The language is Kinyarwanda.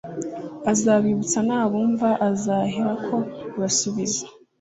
azabibuka; nabumva, azaherako abasubiza.